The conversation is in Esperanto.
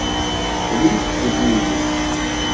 Li sidiĝis.